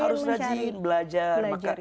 harus rajin belajar